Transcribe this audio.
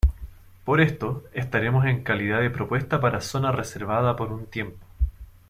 Por esto, estaremos en calidad de propuesta para zona reservada por un tiempo.